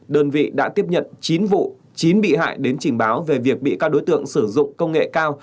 đơn vị đã tiếp nhận chín vụ chín bị hại đến trình báo về việc bị các đối tượng sử dụng công nghệ cao